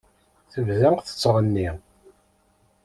Tebda tettɣenni.